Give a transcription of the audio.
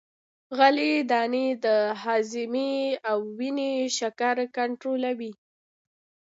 غلې دانې د هاضمې او وینې شکر کنترولوي.